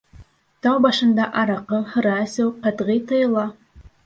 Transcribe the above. Тау башында араҡы, һыра эсеү ҡәтғи тыйыла.